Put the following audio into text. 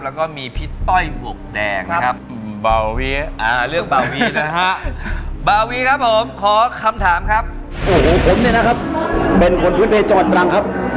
เป็นคนธุรกิจในจังหวัดตรังครับ